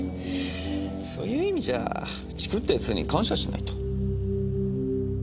そういう意味じゃチクった奴に感謝しないと。